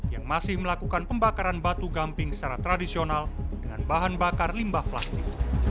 yang masih melakukan pembakaran batu gamping secara tradisional dengan bahan bakar limbah plastik